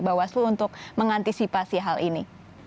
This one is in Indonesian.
bawaslu untuk mengantisipasi hal ini